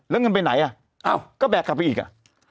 แล้วเงินไปไหนอ่ะอ้าวก็แบกกลับไปอีกอ่ะ